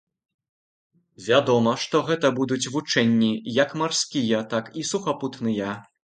Вядома, што гэта будуць вучэнні як марскія, так і сухапутныя.